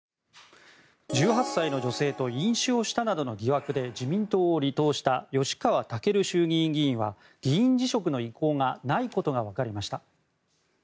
１８歳の女性と飲酒をしたなどの疑惑で自民党を離党した吉川赳衆議院議員は議員辞職の意向がないことがわかりました。